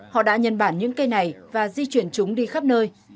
họ đã nhân bản những cây này và di chuyển chúng đi khắp nơi